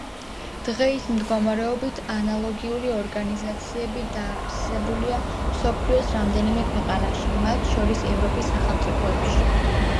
დღეის მდგომარეობით ანალოგიური ორგანიზაციები დაარსებულია მსოფლიოს რამდენიმე ქვეყანაში, მათ შორის ევროპის სახელმწიფოებში.